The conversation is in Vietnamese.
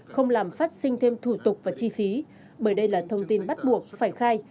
không làm phát sinh thêm thủ tục và chi phí bởi đây là thông tin bắt buộc phải khai